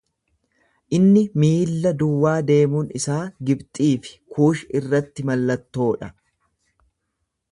Inni miilla duwwaa deemuun isaa Gibxii fi Kuush irratti mallattoo dha.